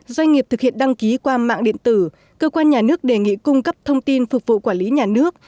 doanh nghiệp thực hiện đăng ký qua mạng điện tử cơ quan nhà nước đề nghị cung cấp thông tin phục vụ quản lý nhà nước